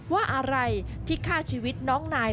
ว่าอะไรที่ฆ่าชีวิตน้องนาย